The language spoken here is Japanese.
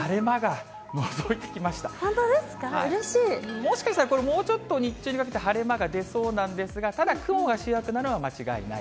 もしかしたらこれ、もうちょっと日中にかけて晴れ間が出そうなんですが、ただ、雲が主役なのは間違いない。